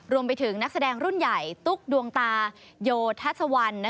รวมไปถึงนักแสดงรุ่นใหญ่ตุ๊กดวงตาโยทัศวรรณ